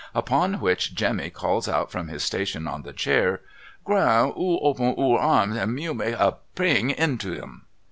Upon which Jemmy calls out from his station on the chair, ' Gran 00 open oor arms and me'll make a 'pring into 'em.'